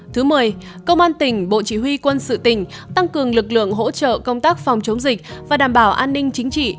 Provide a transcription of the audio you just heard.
thứ một mươi công an tỉnh bộ chỉ huy quân sự tỉnh tăng cường lực lượng hỗ trợ công tác phòng chống dịch và đảm bảo an ninh chính trị